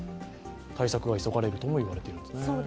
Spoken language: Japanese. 対策は急がれるとも言われていますね。